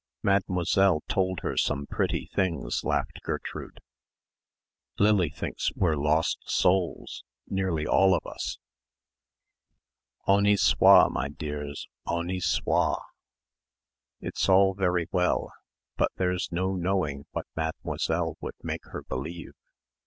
"Mademoiselle told her some pretty things," laughed Gertrude. "Lily thinks we're lost souls nearly all of us." "Onny swaw, my dears, onny swaw." "It's all very well. But there's no knowing what Mademoiselle would make her believe.